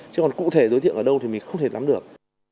chứ còn cụ thể đối tượng ở đâu thì mình không thể làm được